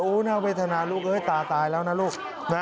อู้วน่าเวทนาลูกตาตายแล้วนะลูก